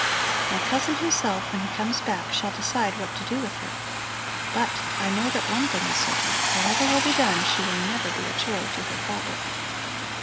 "My cousin himself, when he comes back, shall decide what to do with her. But I know that one thing is certain: whatever will be done, she will never be a joy to her father."